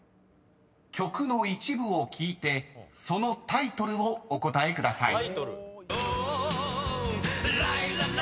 ［曲の一部を聴いてそのタイトルをお答えください］